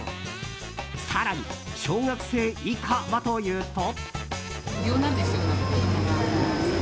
更に小学生以下はというと。